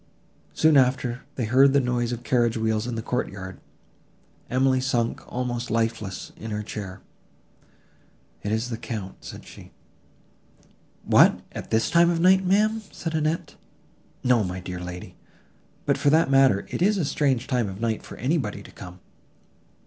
Soon after, they heard the noise of carriage wheels in the courtyard. Emily sunk almost lifeless in her chair; "It is the Count," said she. "What, at this time of night, ma'am!" said Annette: "no, my dear lady. But, for that matter, it is a strange time of night for anybody to come!"